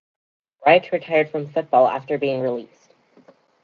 Wright retired from football after being released.